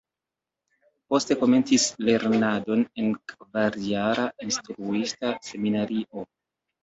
Poste komencis lernadon en kvarjara Instruista Seminario.